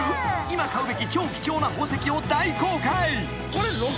［今買うべき超貴重な宝石を大公開］